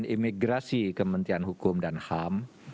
imigrasi kementerian hukum dan ham